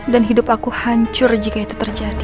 dan hidup aku hancur jika itu terjadi